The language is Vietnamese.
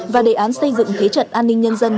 và đề án xây dựng thế trận an ninh nhân dân